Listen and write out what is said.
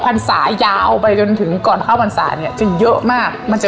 พรรษายาวไปจนถึงก่อนเข้าพรรษาเนี่ยจะเยอะมากมันจะ